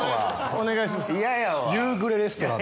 お願いします。